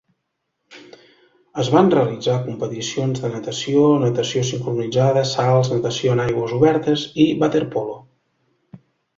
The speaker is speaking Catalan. Es van realitzar competicions de natació, natació sincronitzada, salts, natació en aigües obertes i waterpolo.